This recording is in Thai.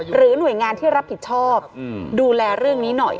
หรือหน่วยงานที่รับผิดชอบดูแลเรื่องนี้หน่อย